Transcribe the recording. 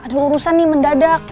ada urusan nih mendadak